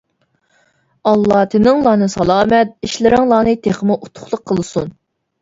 ئاللا تېنىڭلارنى سالامەت، ئىشلىرىڭلارنى تېخىمۇ ئۇتۇقلۇق قىلسۇن!